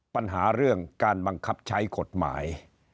ปัญหาเรื่องการบังคับใช้กฎหมาย